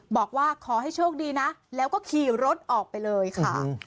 บอกว่าขอให้โชคดีนะแล้วก็ขี่รถออกไปเลยค่ะ